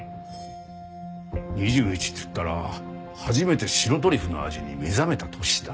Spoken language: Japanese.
２１っていったら初めて白トリュフの味に目覚めた年だな。